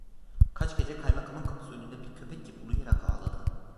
Kaç gece kaymakamın kapısı önünde bir köpek gibi uluyarak ağladı…